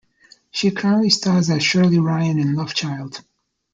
She currently stars as Shirley Ryan in Love Child.